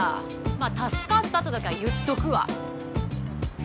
まあ助かったとだけは言っとくわ。